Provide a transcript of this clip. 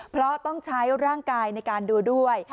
เพราะต้องใช้ร่างกายในการดูด้วย